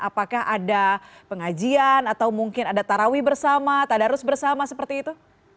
apakah ada pengajian atau mungkin ada tarawih bersama tadarus bersama seperti itu